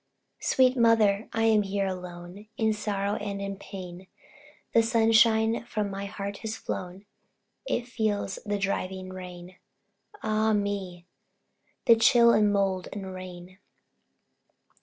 Sweet Mother! I am here alone, In sorrow and in pain; The sunshine from my heart has flown, It feels the driving rain Ah, me! The chill, and mould, and rain.